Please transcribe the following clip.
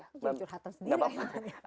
ini curhatan sendiri